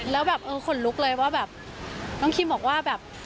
แล้วแบบเออขนลุกเลยว่าแบบน้องคิมบอกว่าแบบ